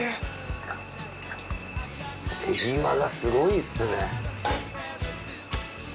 手際がすごいっすね。